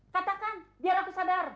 katakan biar aku sadar